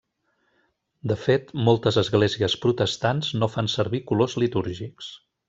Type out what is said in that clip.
De fet, moltes esglésies protestants no fan servir colors litúrgics.